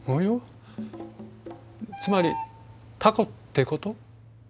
つまりタコってこと？